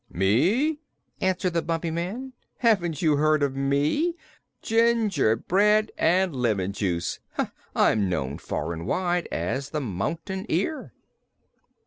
"Me?" answered the Bumpy Man. "Haven't you heard of me? Gingerbread and lemon juice! I'm known, far and wide, as the Mountain Ear."